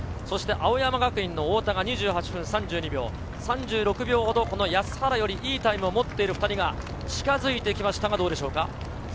そして青山学院の太田が２８分３２秒、３６秒ほどこの安原よりいいタイムを持っている２人が近づいてきましたが、どうでしょうか？